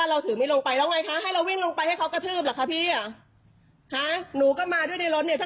แล้วอะไรก็ง่ายน่ะค่ะ